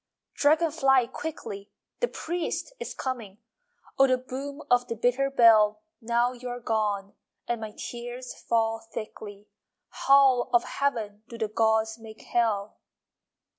Dragon fly, quickly, The priest is coming! Oh, the boom Of the bitter bell! Now you are gone And my tears fall thickly. How of Heaven Do the gods make Hell!